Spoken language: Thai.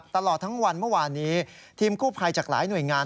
ตลอดทั้งวันเมื่อวานนี้ทีมกู้ภัยจากหลายหน่วยงาน